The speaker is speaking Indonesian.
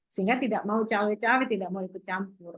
sehingga tidak mau cowok cowok tidak mau itu campur